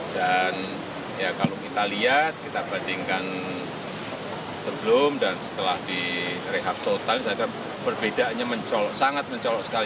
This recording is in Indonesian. dan kalau kita lihat kita bandingkan sebelum dan setelah direhab total